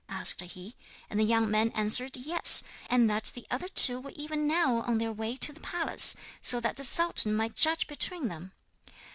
asked he. And the young man answered yes, and that the other two were even now on their way to the palace, so that the sultan might judge between them.'